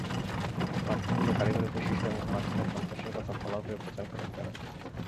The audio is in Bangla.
স্মার্টফোনগুলোর কারিগরি বৈশিষ্ট্য এবং স্মার্টফোনের যন্ত্রাংশের কথা ফলাও করে প্রচার করেন তাঁরা।